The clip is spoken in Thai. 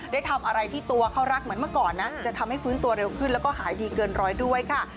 ได้ทำอะไรที่ตัวเขารักเหมือนเมื่อก่อนนะจะทำให้ฟื้นตัวเร็วขึ้นแล้วก็หายดีเกินร้อยด้วยค่ะ